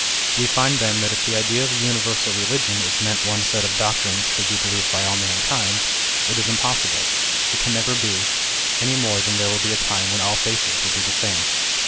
We find then that if by the idea of a universal religion is meant one set of doctrines should be believed by all man kind, it is impossible, it can never be, any more than there will be a time when all faces will be the same.